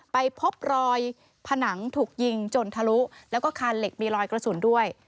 ไปพบรอยผนังถูกยิงจนทะลุแล้วก็คานเหล็กมีรอยกระสุนด้วย